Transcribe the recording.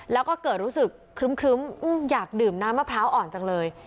แล้วก็เกิดรู้สึกครึ้มอยากดื่มน้ำมะพร้าวอ่อนจังเลย